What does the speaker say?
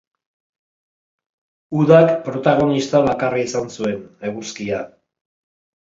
Udak protagonista bakarra izan zuen, eguzkia.